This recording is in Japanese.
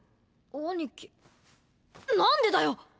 兄貴なんでだよ